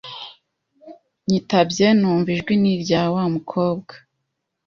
nyitabye numva ijwi ni irya wa mukobwa !